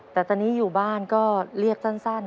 แต่ตอนนี้อยู่บ้านก็เรียกสั้น